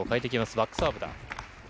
バックサーブだ。